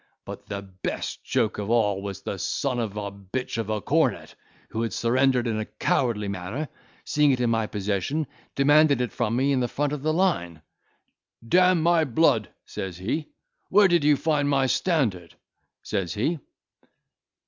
But the best joke of all was the son of a b—ch of a cornet, who had surrendered it in a cowardly manner, seeing it in my possession, demanded it from me in the front of the line. "D—n my blood!" says he, "where did you find my standard?" says he.